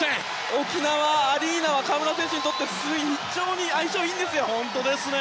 沖縄アリーナは河村選手にとって非常に相性がいいんです。